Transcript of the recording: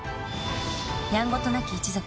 「やんごとなき一族」